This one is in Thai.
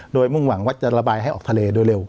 โดยมุ่งหวังว่าจะระบายให้ออกทะเลโดยเร็ว